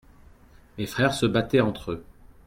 Mes frères se battaient entre-eux.